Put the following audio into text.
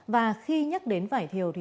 và khi nhắc đến vải thiều thơm ngọt